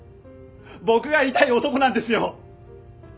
僕が痛い男なんですよ。